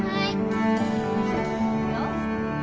いくよ。